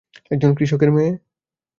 একজন কৃষকের মেয়ে?